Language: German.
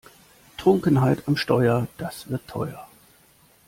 Trunkenheit am Steuer, das wird teuer!